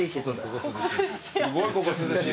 すごいここ涼しいですね。